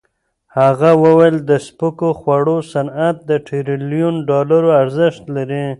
هغه وویل د سپکو خوړو صنعت د ټریلیون ډالرو ارزښت لري.